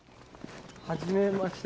はじめまして。